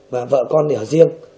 và vợ con thì ở riêng